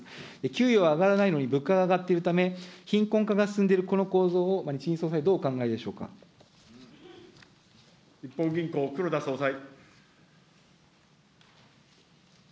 給与は上がらないのに物価が上がっているため、貧困化が進んでいるこの構造を、日銀総裁、どうお日本銀行、黒田総裁。